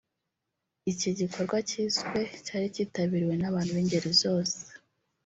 Iki gikorwa cyiswe cyari cyitabiriwe n’abantu b’ingeri zose